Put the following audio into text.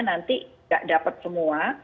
nanti tidak dapat semua